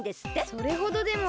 それほどでも。